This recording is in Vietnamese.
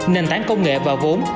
nền tảng công nghệ và vốn